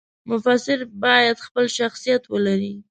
مفسر باید خپل شخصیت ولري.